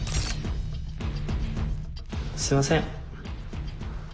すいません！